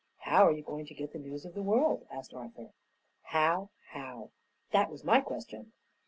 "How are you going to get the news of the world?" asked Arthur. "How? How?" "That was my question."